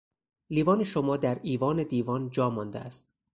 لیوان شما در ایوان دیوان جا مانده است